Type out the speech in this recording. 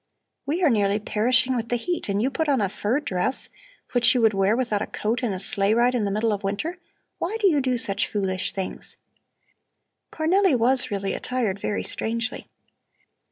"We are nearly perishing with the heat and you put on a fur dress, which you could wear without a coat in a sleigh ride in the middle of winter. Why do you do such foolish things?" Cornelli was really attired very strangely.